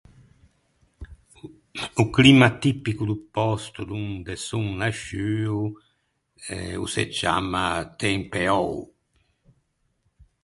O climma tipico do pòsto donde son nasciuo eh o se ciamma tempeou.